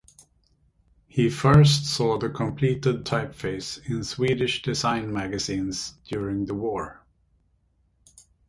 He first saw the completed typeface in Swedish design magazines during the war.